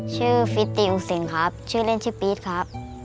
ชื่อฟิตตีอุ้กศิลป์ครับชื่อเล่นชื่อปีทครับ